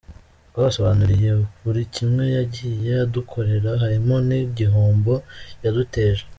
Twabasobanuriye buri kimwe yagiye adukorera harimo n’igihombo yaduteje”.